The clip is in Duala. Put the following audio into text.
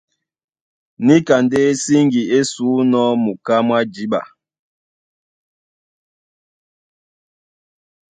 Níka ndé síŋgi é sǔnɔ́ muká mwá jǐɓa.